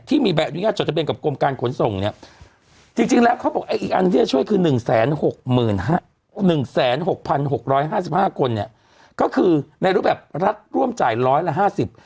ที่มีแบบวิญญาตร์จดท๑๙๕๕คนเนี้ยก็คือในรู้แบบรัฐร่วมจ่ายสิบ